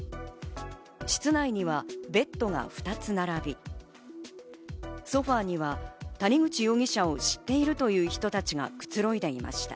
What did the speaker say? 室内にはベッドが２つ並び、ソファには谷口容疑者を知っているという人たちがくつろいでいました。